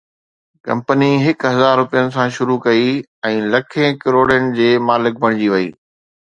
company هڪ هزار روپين سان شروع ڪئي ۽ لکين ڪروڙن جي مالڪ بڻجي وئي